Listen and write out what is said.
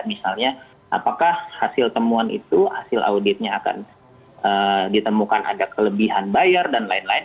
misalnya apakah hasil temuan itu hasil auditnya akan ditemukan ada kelebihan bayar dan lain lain